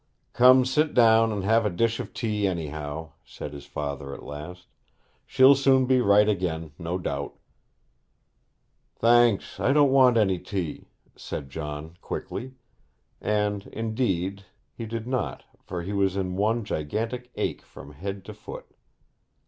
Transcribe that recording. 'Come, sit down and have a dish of tea, anyhow,' said his father at last. 'She'll soon be right again, no doubt.' 'Thanks; I don't want any tea,' said John quickly. And, indeed, he did not, for he was in one gigantic ache from head to foot.